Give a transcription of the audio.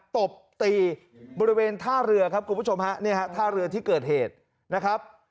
ตบตีบริเวณท่าเรือครับคุณผู้ชมฮะเนี่ยฮะท่าเรือที่เกิดเหตุนะครับ